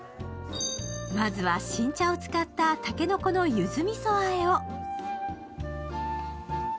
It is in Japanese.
まずは新茶を作った竹の子のゆずみそあえを。